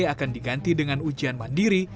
akan diganti dengan ujian mandiri